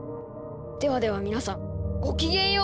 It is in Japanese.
ではでは皆さんごきげんよう！」。